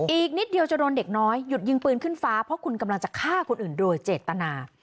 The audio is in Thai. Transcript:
อีกนิดเดียวจะโดนเด็กน้อยหยุดยิงปืนขึ้นฟ้าเพราะคุณกำลังจะฆ่าคนอื่นโดยเจตนา